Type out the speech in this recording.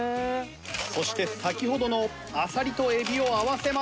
そして先ほどのあさりとエビを合わせます。